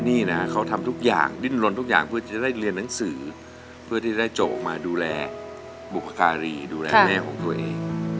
นี่นะเขาทำทุกอย่างดิ้นลนทุกอย่างเพื่อจะได้เรียนหนังสือเพื่อที่จะได้โจทย์ออกมาดูแลบุพการีดูแลแม่ของตัวเอง